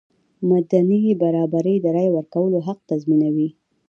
مدني برابري د رایې ورکولو حق تضمینوي.